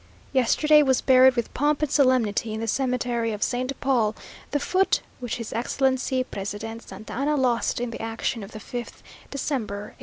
Yesterday, was buried with pomp and solemnity in the cemetery of Saint Paul, the foot which his Excellency, President Santa Anna, lost in the action of the 5th December, 1838.